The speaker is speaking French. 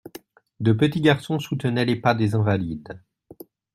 De petits garçons soutenaient les pas des invalides.